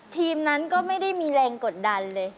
ทีมนั้นก็ไม่ได้มีแรงกดดันเลย